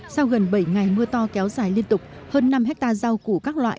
sau gần bảy ngày mưa to kéo dài liên tục hơn năm hectare rau củ các loại